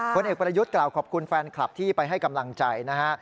ผลเอกประยุทธ์กล่าวขอบคุณแฟนคลับที่ไปให้กำลังใจนะฮะ